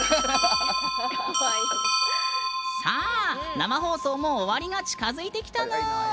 生放送も終わりが近づいてきたぬーん！